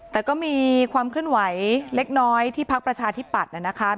แต่ก็มีความเคลื่อนไหวเล็กน้อยที่พักประชาธิปัตย์นะครับ